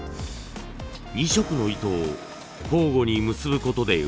２色の糸を交互に結ぶことで生まれる